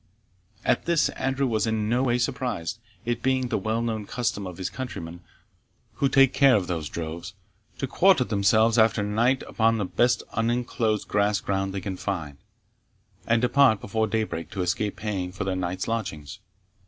At this Andrew was in no way surprised, it being the well known custom of his countrymen, who take care of those droves, to quarter themselves after night upon the best unenclosed grass ground they can find, and depart before day break to escape paying for their night's lodgings.